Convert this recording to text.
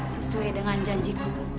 sesuai dengan janji